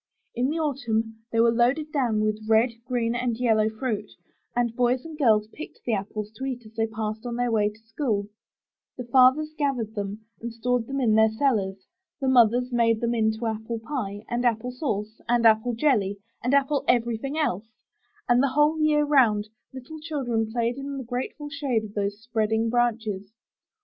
In the Autumn they were loaded down with red, green and yellow fruit, and boys and girls picked the apples to eat as they passed on their way to school; the fathers gathered them and stored them in their cellars; the mothers made them into apple pie, and apple sauce, and apple jelly, and apple everything else; and the whole year 'round, little children played in the grateful shade of those spreading branches.